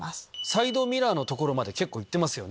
サイドミラーの所まで結構いってますよね。